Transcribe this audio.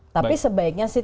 tapi sebaiknya sih